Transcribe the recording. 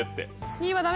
２位はダメ。